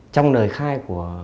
trong nơi khai của